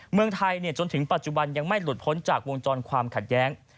เมืองไทยจนถึงปัจจุบันยังไม่หลุดพ้นจากวงจรความขัดแย้ง